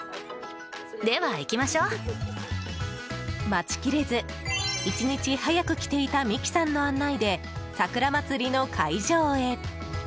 待ちきれず１日早く来ていたミキさんの案内で桜まつりの会場へ。